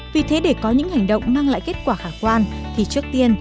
vì thế để có những hành động mang lại kết quả khả quan thì trước tiên